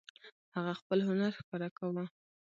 هغه خپل هنر ښکاره کاوه.